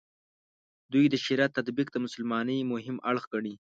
دوی د شریعت تطبیق د مسلمانۍ مهم اړخ ګڼي.